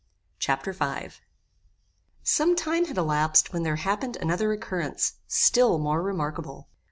Chapter V Some time had elapsed when there happened another occurrence, still more remarkable.